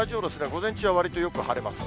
午前中はわりとよく晴れます。